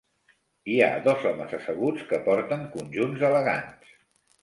Hi ha dos homes asseguts que porten conjunts elegants.